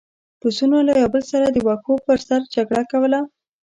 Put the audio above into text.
پسونو له یو بل سره د واښو پر سر جګړه کوله.